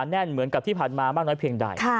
แน่นเหมือนกับที่ผ่านมามากน้อยเพียงใด